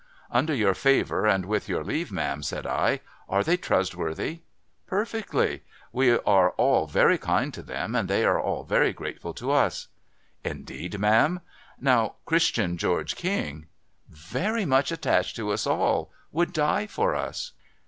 ' Under your favour, and with your lea^■e, ma'am,' said I, ' are they trustworthy ?'' Perfectly ! AV'e are all very kind to them, and they are very grateful to us.' 'Indeed, ma'am? Now — Christian George King ?'' Very much attached to us all. ^Vould die for us.'